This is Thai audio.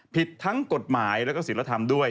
ผิดทั้งกฎหมายแล้วก็ศิลธรรมด้วย